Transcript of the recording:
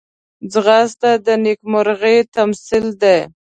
ځغاسته د نېکمرغۍ تمثیل دی